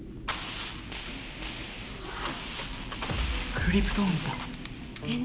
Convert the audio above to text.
クリプトオンズだ。